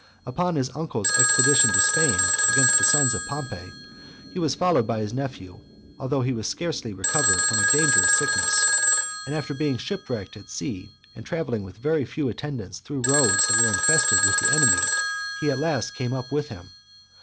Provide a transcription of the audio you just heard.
Upon his uncle's expedition to Spain against the sons of Pompey, he was followed by his nephew, although he was scarcely recovered from a dangerous sickness; and after being shipwrecked at sea, and travelling with very few attendants through roads that were infested with the enemy, he at last came up with him.